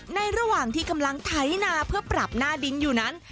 ระหว่างที่กำลังไถนาเพื่อปรับหน้าดินอยู่นั้น